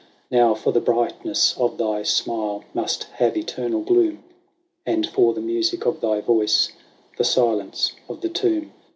Now, for the brightness of thy smile, must have eternal gloom. And for the music of thy voice, the silence of the tomb.